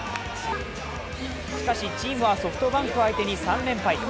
しかしチームはソフトバンク相手に３連敗。